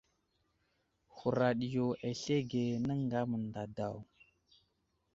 Huraɗ yo aslege, nəŋga mənday daw.